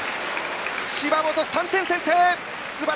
芝本、３点先制！